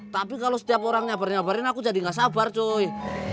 tapi kalau setiap orang nyabar nyabarin aku jadi gak sabar joy